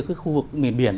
cái khu vực miền biển